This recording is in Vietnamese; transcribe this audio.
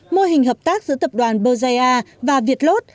mô hình hợp tác giữa tập đoàn berjaya và việt lốt